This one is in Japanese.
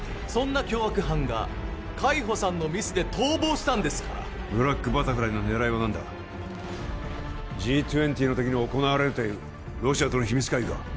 そんな凶悪犯が海保さんのミスで逃亡したんですからブラックバタフライの狙いは何だＧ２０の時に行われるというロシアとの秘密会議か？